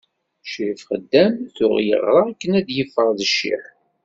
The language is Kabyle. Ccrif Xeddam tuɣ yeɣra akken ad d-yeffeɣ d ccix.